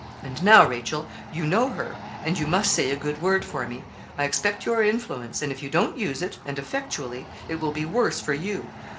And now, Rachel, you know her, and you must say a good word for me. I expect your influence, and if you don't use it, and effectually, it will be worse for you.